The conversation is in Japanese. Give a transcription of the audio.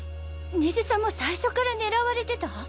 根津さんも最初から狙われてた？